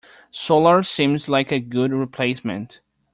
Solar seems like a good replacement.